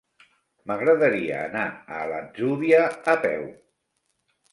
M'agradaria anar a l'Atzúbia a peu.